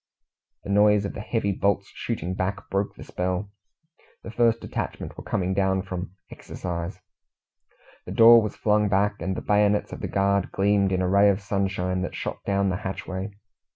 The noise of the heavy bolts shooting back broke the spell. The first detachment were coming down from "exercise." The door was flung back, and the bayonets of the guard gleamed in a ray of sunshine that shot down the hatchway.